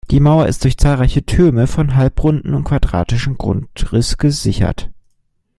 Die Mauer ist durch zahlreiche Türme von halbrundem und quadratischem Grundriss gesichert.